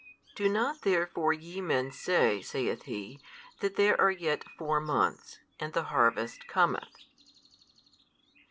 Do not therefore YE men say (saith He) that there are yet four months, and the harvest cometh?